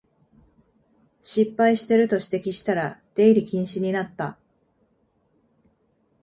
失敗してると指摘したら出入り禁止になった